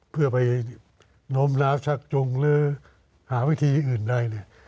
เพื่อไปน้มล้าวชักจงหรือหาวิธีอื่นใดเนี่ย